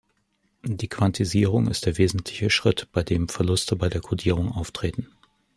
Die Quantisierung ist der wesentliche Schritt, bei dem Verluste bei der Kodierung auftreten.